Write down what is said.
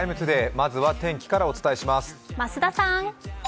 まずはお天気からお伝えします。